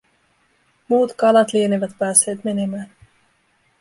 Muut kalat lienevät päässeet menemään.